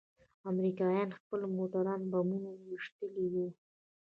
امريکايانو خپل موټران په بمونو ويشتلي وو.